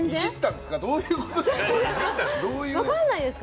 どういうことですか。